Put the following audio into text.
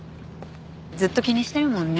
ずっと気にしてるもんね。